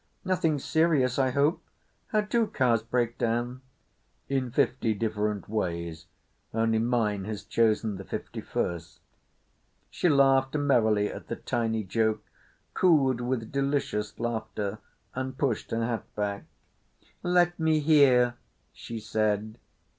"Nothing serious, I hope? How do cars break down?" "In fifty different ways. Only mine has chosen the fifty first." She laughed merrily at the tiny joke, cooed with delicious laughter, and pushed her hat back. "Let me hear," she said.